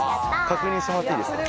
確認してもらっていいですか？